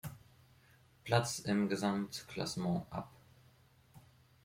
Platz im Gesamtklassement ab.